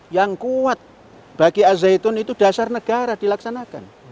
yang kuat bagi azayitun itu dasar negara dilaksanakan